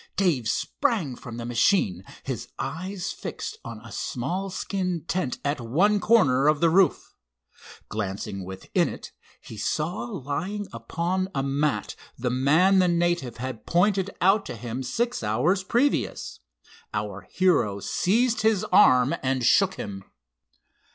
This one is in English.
Dave sprang from the machine, his eye fixed on a small skin tent at one corner of the roof. Glancing within it, he saw lying upon a mat the man the native had pointed out to him six hours previous. Our hero seized his arm and shook him.